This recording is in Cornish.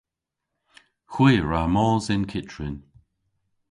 Hwi a wra mos yn kyttrin.